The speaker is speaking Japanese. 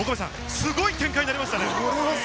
すごい展開になりましたね。